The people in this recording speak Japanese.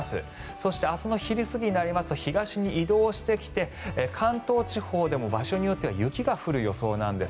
そして、明日の昼過ぎになりますと東に移動してきて関東地方でも場所によっては雪が降る予想なんです。